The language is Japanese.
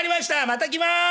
また来ます！